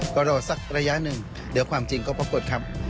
ก็รอสักระยะหนึ่งเดี๋ยวความจริงก็ปรากฏครับ